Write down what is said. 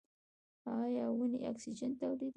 ایا ونې اکسیجن تولیدوي؟